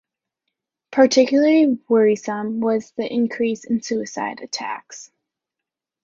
Particularly worrisome was the increase in suicide attacks.